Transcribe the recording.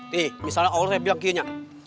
nih misalnya allah bilang